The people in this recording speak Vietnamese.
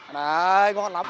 đấy ngon lắm